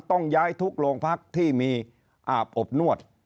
ต้องย้ายทุกโรงพักที่มีอาบอบนวด